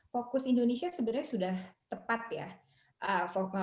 fokus indonesia sebenarnya sudah tepat ya